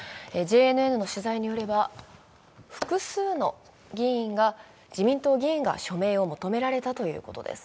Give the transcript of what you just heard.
ＪＮＮの取材によれば、複数の自民党議員が署名を求められたといいます。